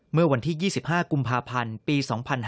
เมื่อวันที่๒๕กุมภาพันธ์ปี๒๕๕๙